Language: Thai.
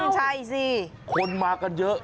ใช่สิคนมากันเยอะ